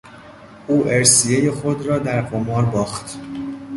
او ارثیهی خود را در قمار باخت.